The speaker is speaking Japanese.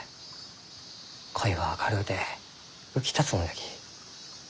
恋は明るうて浮き立つもんじゃき。